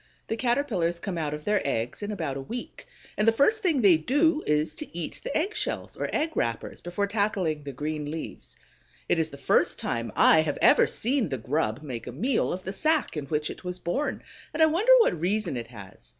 The Caterpillars come out of their eggs in about a week, and the first thing they do is to eat the egg shells, or egg wrappers, before tackling the green leaves. It is the first time I have ever seen the grub make a meal of the sack in which it was born, and I wonder what reason it has.